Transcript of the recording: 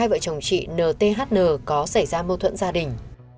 hai vợ chồng chị nthn có xảy ra vụ việc